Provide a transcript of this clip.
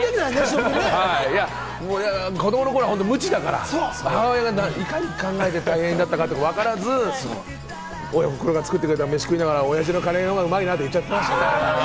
子どもの頃は無知だから、母親がいかに考えて大変だったかってわからず、おふくろが作ってくれた飯を食いながら、親父のカレーの方がうまいなって言っちゃいました。